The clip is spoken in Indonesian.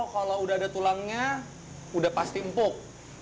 kalau sudah ada tulangnya sudah pasti empuk